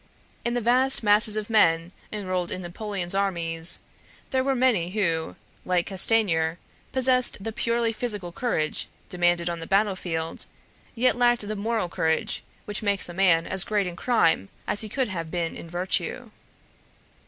In the vast masses of men enrolled in Napoleon's armies there were many who, like Castanier, possessed the purely physical courage demanded on the battlefield, yet lacked the moral courage which makes a man as great in crime as he could have been in virtue.